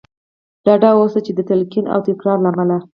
ډاډه اوسئ چې د تلقين او تکرار له امله.